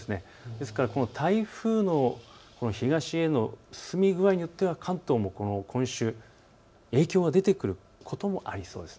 ですから台風の東への進み具合によっては関東は今週、影響が出てくることもありそうです。